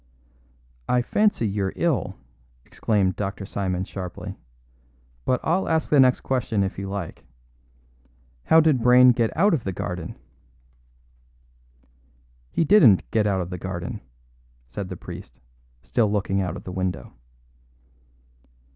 "I fancy you're ill," exclaimed Dr. Simon sharply; "but I'll ask the next question if you like. How did Brayne get out of the garden?" "He didn't get out of the garden," said the priest, still looking out of the window.